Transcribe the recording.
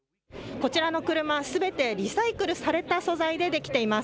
こちらの車、すべてリサイクルされた素材でできています。